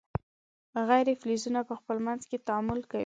غیر فلزونه په خپل منځ کې تعامل کوي.